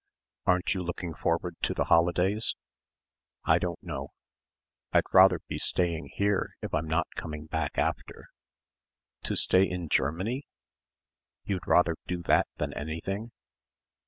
"Aren't you looking forward to the holidays?" "I don't know. I'd rather be staying here if I'm not coming back after." "To stay in Germany? You'd rather do that than anything?"